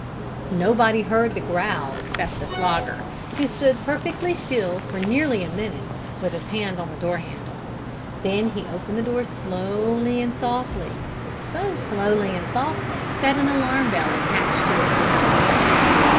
Nobody heard the growl except the Slogger, who stood perfectly still for nearly a minute, with his hand on the door handle. Then he opened the door slowly and softly so slowly and softly that an alarm bell attached to it did not ring.